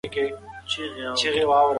نورو ته لاس مه نیسئ.